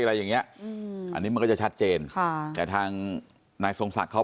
อะไรอย่างเงี้ยอืมอันนี้มันก็จะชัดเจนค่ะแต่ทางนายทรงศักดิ์เขา